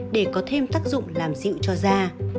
để có thêm tác dụng làm dịu cho da